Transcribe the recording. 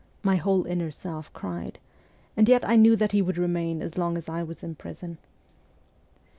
my whole inner self cried ; and yet I knew that he would remain as long as I was in prison.